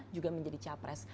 juga menjadi capres